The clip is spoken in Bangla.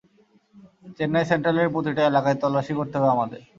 চেন্নাই সেন্ট্রালের প্রতিটা এলাকায় তল্লাশি করতে হবে আমাদের।